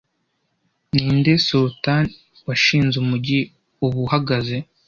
Ninde Sultan washinze umujyi ubu uhagaze